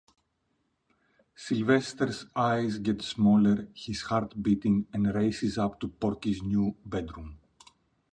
Sylvester's eyes get smaller, his heart beating, and races up to Porky's new bedroom.